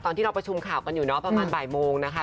ตอนที่เราประชุมข่าวกันอยู่เนาะประมาณบ่ายโมงนะคะ